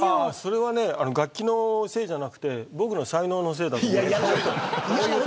それは楽器のせいじゃなくて僕の才能のせいだと思う。